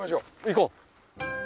行こう。